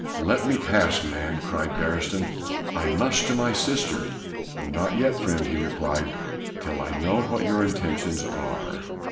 "Let me pass, man," cried Beresteyn, "I must to my sister." "Not yet, friend," he replied, "till I know what your intentions are."